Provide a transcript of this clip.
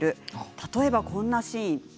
例えば、こんなシーン。